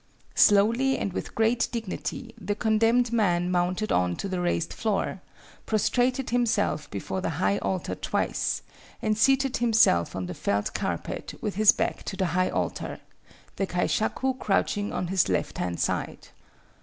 Slowly and with great dignity the condemned man mounted on to the raised floor, prostrated himself before the high altar twice, and seated himself on the felt carpet with his back to the high altar, the kaishaku crouching on his left hand side.